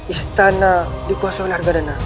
istana dikuasai oleh harga dana